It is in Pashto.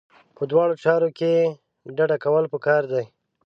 په دواړو چارو کې ډډه کول پکار دي.